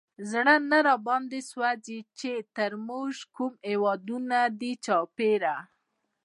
زړه نه راباندې سوزي، چې تر مونږ کوم هېوادونه دي چاپېره